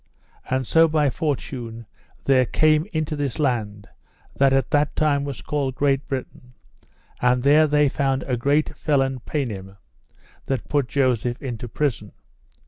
And so by fortune they came into this land, that at that time was called Great Britain; and there they found a great felon paynim, that put Joseph into prison.